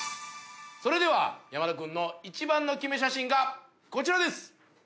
それでは山田君の一番のキメ写真がこちらです！